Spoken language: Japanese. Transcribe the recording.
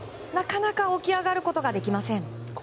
なかなか起き上がることができません。